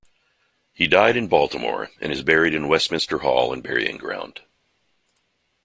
He died in Baltimore and is buried in Westminster Hall and Burying Ground.